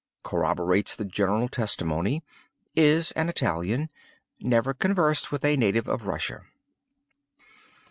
Corroborates the general testimony. Is an Italian. Never conversed with a native of Russia.